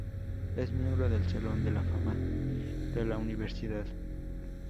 Es miembro del Salón de la Fama de la universidad.